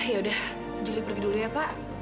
yaudah julie pergi dulu ya pak